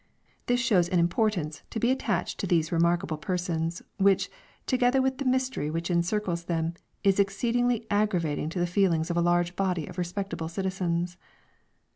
This shows an importance to be attached to these remarkable persons, which, together with the mystery which encircles them, is exceedingly aggravating to the feelings of a large body of respectable citizens.